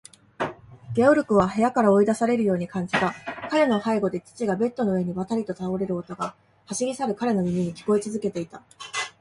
ゲオルクは部屋から追い出されるように感じた。彼の背後で父がベッドの上にばたりと倒れる音が、走り去る彼の耳に聞こえつづけていた。